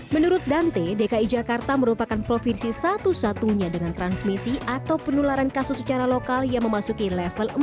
menurut dante dki jakarta merupakan provinsi satu satunya dengan transmisi atau penularan kasus secara lokal yang memasuki level empat